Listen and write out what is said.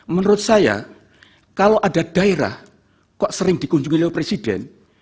menurut saya kalau ada daerah kok sering dikunjungi oleh presiden